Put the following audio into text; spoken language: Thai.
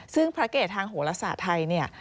ซึ่งพระเกลล์ฮังโหรศาสน์ไทย